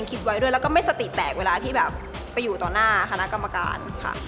แล้วก็ไม่สติแตกเวลาที่อยู่ต่อหน้าคณะกรรมการ